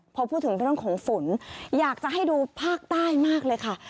พอพูดถึงเรื่องของฝนอยากจะให้ดูภาคใต้มากเลยค่ะ